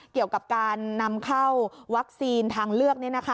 เกี่ยวกับการนำเข้าวัคซีนทางเลือก